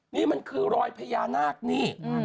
นี่มันคือรอยพญานาคนี่